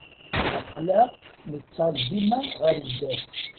Aql-aɣ nettaẓ dima ɣer zdat.